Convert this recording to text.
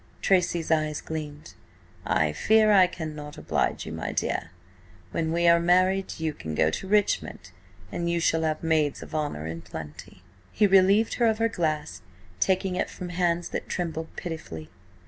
Tracy's eyes gleamed. "I fear I cannot oblige you, my dear. When we are married you can go to Richmond, and you shall have maids of honour in plenty." He relieved her of her glass, taking it from hands that trembled pitifully.